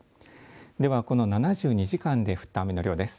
ではこの７２時間で降った雨の量です。